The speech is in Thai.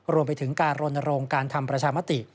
รวมไปถึงการรณรงค์การทำประชามติ